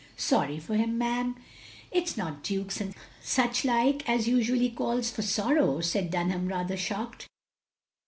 " "Sorry for him, ma'am! It's not dukes and such like as usually calls for sorrow," said Dunham rather shocked.